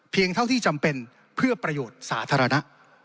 เท่าที่จำเป็นเพื่อประโยชน์สาธารณะ